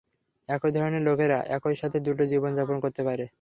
এই ধরনের লোকেরা একই সাথে দুটো জীবন, যাপন করতে পারে।